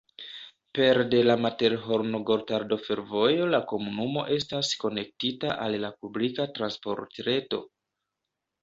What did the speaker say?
Pere de la Materhorno-Gotardo-Fervojo la komunumo estas konektita al la publika transportreto.